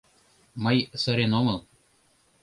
— Мый сырен омыл...